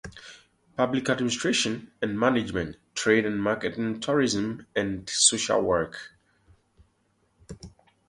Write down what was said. Public Administration and Management, Trade and Marketing, Tourism and Social work.